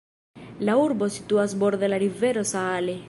La urbo situas borde de la rivero Saale.